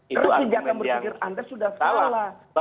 itu artinya salah